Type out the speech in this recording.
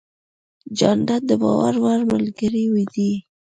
جانداد د باور وړ ملګری دی.